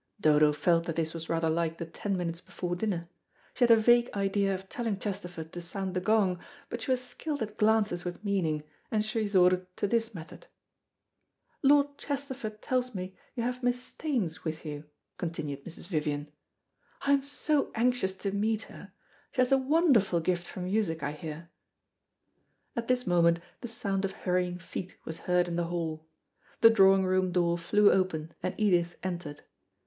Dodo felt that this was rather like the ten minutes before dinner. She had a vague idea of telling Chesterford to sound the gong, but she was skilled at glances with meaning, and she resorted to this method. "Lord Chesterford tells me you have Miss Staines with you," continued Mrs. Vivian. "I am so anxious to meet her. She has a wonderful gift for music, I hear." At this moment the sound of hurrying feet was heard in the hall. The drawing room door flew open and Edith entered.